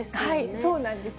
そうなんですね。